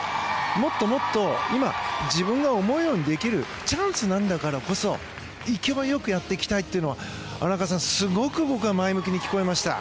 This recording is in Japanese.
もっともっと今、自分が思うようにできるチャンスなんだからこそ勢いよくやっていきたいというのは荒川さん、すごく僕は前向きに聞こえました。